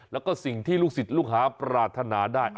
แล้วก็สิ่งที่ลูกศิษย์ลูกหาปรารถนาได้